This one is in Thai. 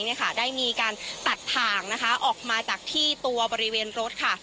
ได้มีการตัดถ่างนะคะออกมาจากที่ตัวบริเวณรถค่ะ